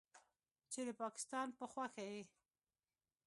چې د پکستان په خوښه یې